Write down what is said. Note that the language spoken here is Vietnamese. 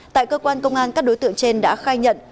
tại cơ quan công an các đối tượng trên đã khai nhận